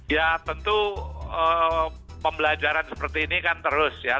ya tentu pembelajaran seperti ini kan terus ya